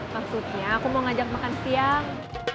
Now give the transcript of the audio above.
maksudnya aku mau ngajak makan siang